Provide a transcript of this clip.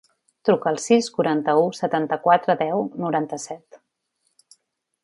Truca al sis, quaranta-u, setanta-quatre, deu, noranta-set.